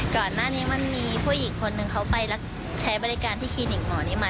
ก่อนหน้านี้มันมีผู้หญิงคนหนึ่งเขาไปใช้บริการที่คลินิกหมอนี้มา